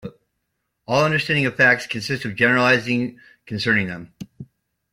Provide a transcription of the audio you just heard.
All understanding of facts consists in generalizing concerning them.